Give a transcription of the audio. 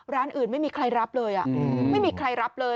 ร้านอื่นไม่มีใครรับเลยไม่มีใครรับเลย